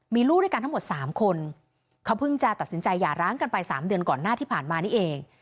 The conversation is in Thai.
มีลูกด้วยกันทั้งหมด๓คนเขาเพิ่งจะตัดสินใจหย่าร้างกันไป๓เดือนก่อนหน้าที่ผ่านมานี่เอง